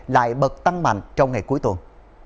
lại bật tăng mạnh trong ngày cuối tuần